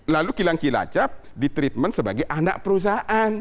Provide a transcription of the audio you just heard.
lalu kilang kilacap di treatment sebagai anak perusahaan